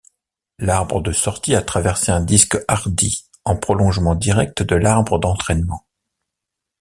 L'arbre de sortie a traversé un disque Hardy en prolongement direct de l'arbre d'entraînement.